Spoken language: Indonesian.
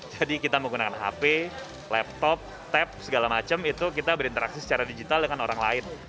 jadi kita menggunakan hp laptop tap segala macam itu kita berinteraksi secara digital dengan orang lain